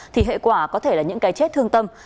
thì hệ quả có thể là những cái chết thương tâm